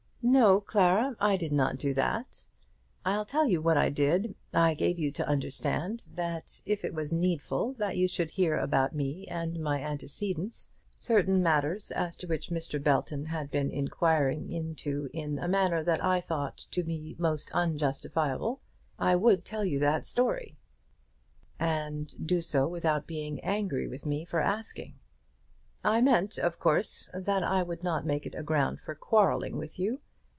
"No, Clara, I did not do that. I'll tell you what I did. I gave you to understand that if it was needful that you should hear about me and my antecedents, certain matters as to which Mr. Belton had been inquiring into in a manner that I thought to be most unjustifiable, I would tell you that story." "And do so without being angry with me for asking." "I meant, of course, that I would not make it a ground for quarrelling with you.